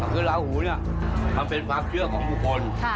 คือลาหูเนี่ยมันเป็นความเชื่อของบุคคล